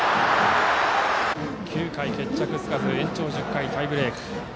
９回、決着つかず延長１０回タイブレーク。